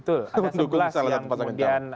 ada sebelas yang kemudian